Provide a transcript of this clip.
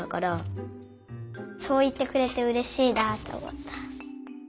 そういってくれてうれしいなとおもった。